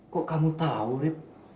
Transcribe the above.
kok kamu tahu